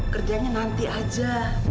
kerjanya nanti aja